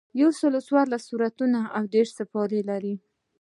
یوسلو څوارلس سورتونه او دېرش سپارې لري.